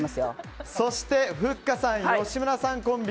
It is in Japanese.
そしてふっかさん・吉村さんコンビ。